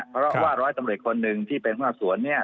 เพราะว่าร้อยตำรวจคนหนึ่งที่เป็นพ่อสวนเนี่ย